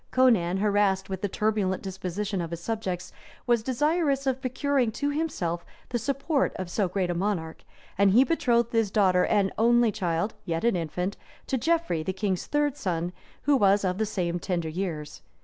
Conan, harassed with the turbulent disposition of his subjects, was desirous of procuring to himself the support of so great a monarch; and he betrothed his daughter and only child, yet an infant, to Geoffrey, the king's third son, who was of the same tender years.